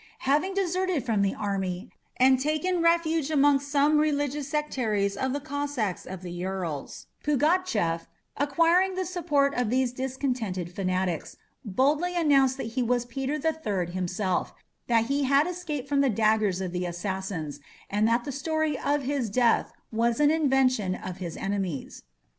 Having deserted from the army, and taken refuge amongst some religious sectaries of the Cossacks of the Ural, Pugatchef, acquiring the support of these discontented fanatics, boldly announced that he was Peter the Third himself, that he had escaped from the daggers of the assassins, and that the story of his death was an invention of his enemies.